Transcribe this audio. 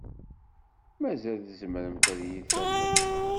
Mazal tzemremt ad iyi-tallemt?